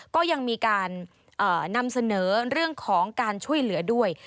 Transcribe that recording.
ก็ยังมีการนำเสนอเรื่องของการช่วยเหลือด้วย